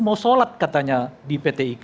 mau sholat katanya di pt ika